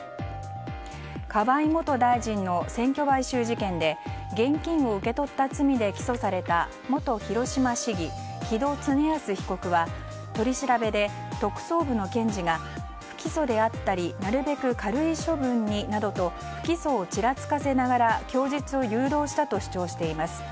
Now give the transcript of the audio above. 河井元大臣の選挙買収事件で現金を受け取った罪で起訴された元広島市議木戸経康被告は、取り調べで特捜部の検事が不起訴であったりなるべく軽い処分になどと不起訴をちらつかせながら供述を誘導したと主張しています。